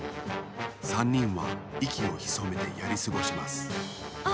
３にんはいきをひそめてやりすごしますあっ